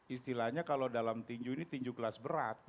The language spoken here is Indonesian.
istilahnya kalau dalam tinju ini tinju kelas berat